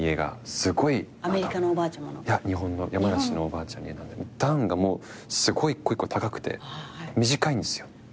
いや日本の山梨のおばあちゃんの家なんで段がすごい一個一個高くて短いんすよ。